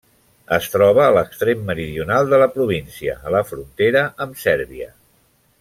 Es troba a l'extrem meridional de la província, a la frontera amb Sèrbia.